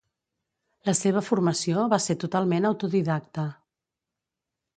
La seva formació va ser totalment autodidacta.